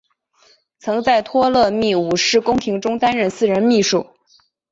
曾在托勒密五世宫廷中担任私人秘书。